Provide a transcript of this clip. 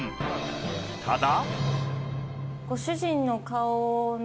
ただ。